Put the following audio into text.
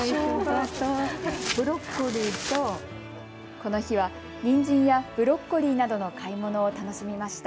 この日は、にんじんやブロッコリーなどの買い物を楽しみました。